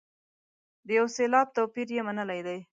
د یو سېلاب توپیر یې منلی دی.